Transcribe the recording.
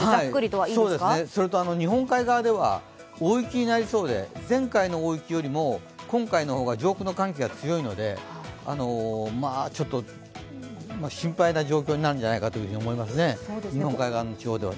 はい、それと日本海側では大雪になりそうで、前回の大雪よりも今回の方が上空の寒気が強いので心配な状況になるんじゃないかと思いますね、日本海側の地方では。